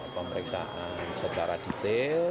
pemeriksaan secara detail